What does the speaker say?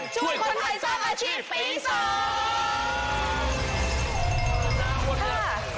เต็กที่สกรรมบาวแดงช่วยคนไทยสร้างอาชีพปี๒